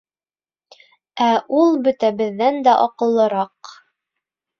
Ә ул бөтәбеҙҙән дә аҡыллыраҡ.